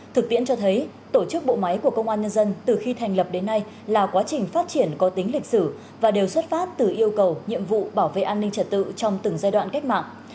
thực tiễn cho thấy tổ chức bộ máy của công an nhân dân từ khi thành lập đến nay là quá trình phát triển có tính lịch sử và đều xuất phát từ yêu cầu nhiệm vụ bảo vệ an ninh trật tự trong từng giai đoạn cách mạng